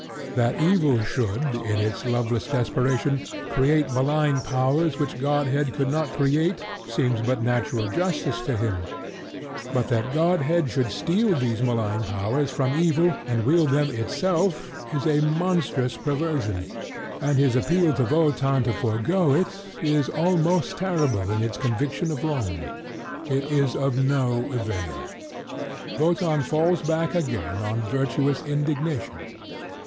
That evil should, in its loveless desperation, create malign powers which Godhead could not create, seems but natural justice to him. But that Godhead should steal those malign powers from evil, and wield them itself, is a monstrous perversion; and his appeal to Wotan to forego it is almost terrible in its conviction of wrong. It is of no avail. Wotan falls back again on virtuous indignation.